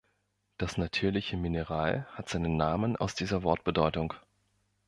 Das natürliche Mineral hat seinen Namen aus dieser Wortbedeutung.